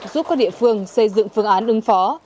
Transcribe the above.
giúp các địa phương xây dựng phương án ứng phó